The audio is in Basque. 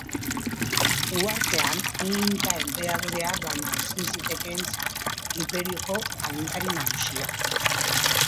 Uhartean, inka enperadorea baino ezin zitekeen sar, inperioko agintari nagusia.